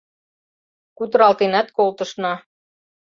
Кутыралтенат колтышна.